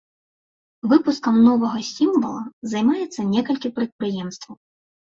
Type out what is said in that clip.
Выпускам новага сімвала займаецца некалькі прадпрыемстваў.